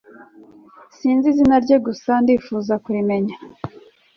Sinzi izina rye gusa ndifuza kurimenya